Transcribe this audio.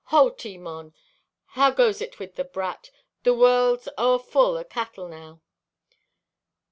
"Ho, Timon, how goes it with the brat? The world's o'erfull o' cattle now!"